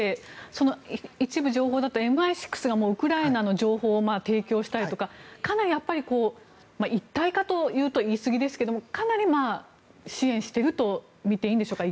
その一部情報だとＭＩ６がもうウクライナの情報を提供したりとかかなり一体化というと言いすぎですがかなり支援していると見ていいんでしょうか。